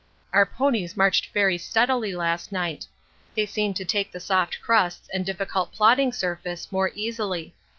Our ponies marched very steadily last night. They seem to take the soft crusts and difficult plodding surface more easily.